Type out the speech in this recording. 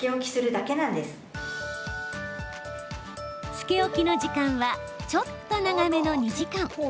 つけ置きの時間はちょっと長めの２時間。